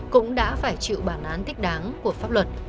cũng đã phải chịu bản án thích đáng của pháp luật